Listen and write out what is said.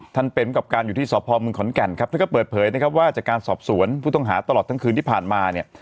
เป็นกับการอยู่ที่สพเมืองขอนแก่นครับท่านก็เปิดเผยนะครับว่าจากการสอบสวนผู้ต้องหาตลอดทั้งคืนที่ผ่านมาเนี่ย